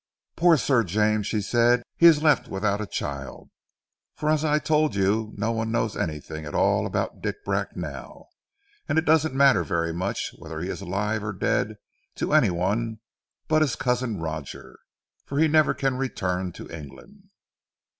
"Poor Sir James," she said. "He is left without a child, for as I told you no one knows anything at all about Dick Bracknell, and it doesn't matter very much whether he is alive or dead, to any one but his cousin Roger, for he can never return to England."